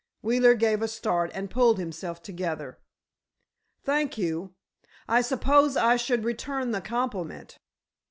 Wheeler gave a start and pulled himself together. "Thank you. I suppose I should return the compliment."